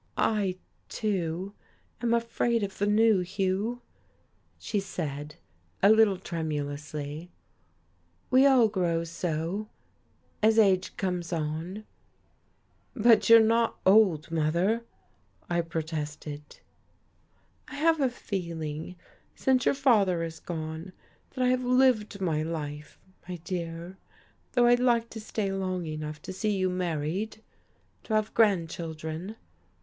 "I, too, am afraid of the new, Hugh," she said, a little tremulously. "We all grow so, as age comes on." "But you are not old, mother," I protested. "I have a feeling, since your father has gone, that I have lived my life, my dear, though I'd like to stay long enough to see you happily married to have grandchildren.